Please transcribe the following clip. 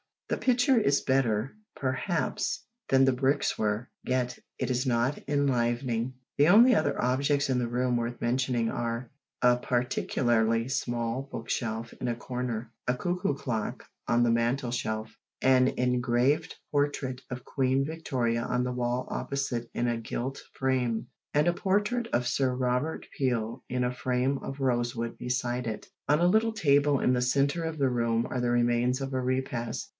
The picture is better, perhaps, than the bricks were, yet it is not enlivening. The only other objects in the room worth mentioning are, a particularly small book shelf in a corner; a cuckoo clock on the mantel shelf, an engraved portrait of Queen Victoria on the wall opposite in a gilt frame, and a portrait of Sir Robert Peel in a frame of rosewood beside it. On a little table in the centre of the room are the remains of a repast.